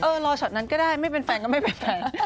รอช็อตนั้นก็ได้ไม่เป็นแฟนก็ไม่เป็นไร